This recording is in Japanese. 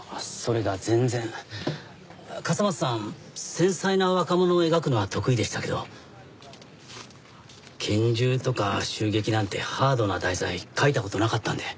繊細な若者を描くのは得意でしたけど拳銃とか襲撃なんてハードな題材書いた事なかったんで。